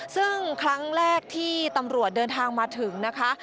ซึ่งครั้งแรกที่ตำรวจเดินทางมาถึงนะคะ